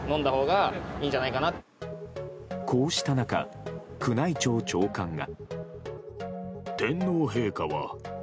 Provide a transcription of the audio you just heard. こうした中、宮内庁長官が。